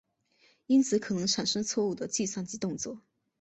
因此可能产生错误的计算及动作。